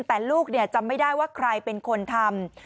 แต่ลูกจำไม่ได้ว่าใครเป็นคนทำ